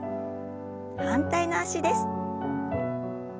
反対の脚です。